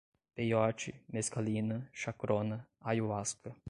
peiote, mescalina, chacrona, ayahuasca